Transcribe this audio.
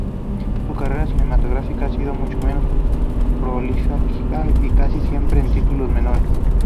Su carrera cinematográfica ha sido mucho menos prolífica y casi siempre en títulos menores.